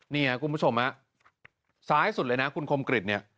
นี่คุณผู้ชมซ้ายสุดเลยนะคุณคมกริจ